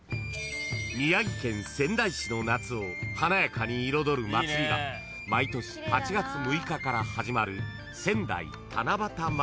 ［宮城県仙台市の夏を華やかに彩る祭りが毎年８月６日から始まる］